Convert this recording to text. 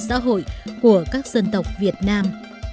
và xã hội của các dân tộc việt nam